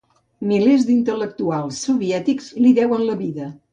Milers d'intel·lectuals soviètics li deuen la vida.